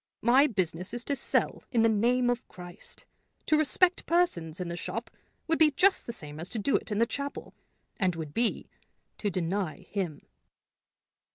My business is to sell in the name of Christ. To respect persons in the shop would be just the same as to do it in the chapel, and would be to deny him."